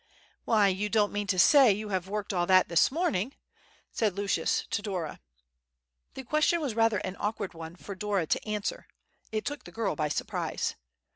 "Why, you don't mean to say that you have worked all that this morning?" said Lucius to Dora. The question was rather an awkward one for Dora to answer—it took the girl by surprise.